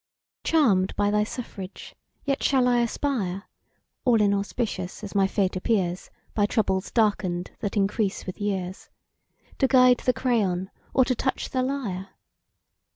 CHARM'D by thy suffrage, shall I yet aspire (All inauspicious as my fate appears, By troubles darken'd, that increase with years,) To guide the crayon, or to touch the lyre?